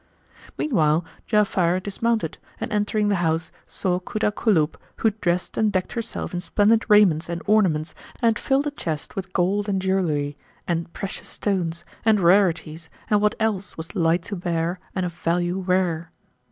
Meanwhile Ja'afar dismounted and entering the house, saw Kut al Kulub who had dressed and decked herself in splendid raiments and ornaments and filled a chest with gold and jewellery and precious stones and rarities and what else was light to bear and of value rare.